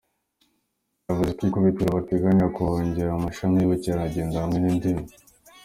Yavuze ko ku ikubitiro bateganya kuhongerera amashami y’ubukerarugendo hamwe n’indimi.